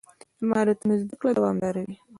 د مهارتونو زده کړه دوامداره وي.